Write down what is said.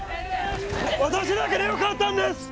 私だけでよかったんです！